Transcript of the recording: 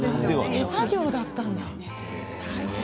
手作業だったんですね。